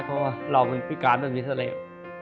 เพราะว่าเราเป็นพิการแบบนี้ซะเลย